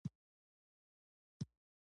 ځېګر مې درد کوي